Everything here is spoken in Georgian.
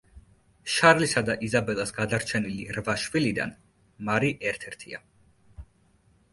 შარლისა და იზაბელას გადარჩენილი რვა შვილიდან, მარი ერთ-ერთია.